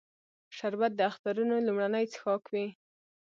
شربت د اخترونو لومړنی څښاک وي